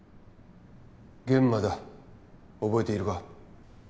諫間だ覚えているか？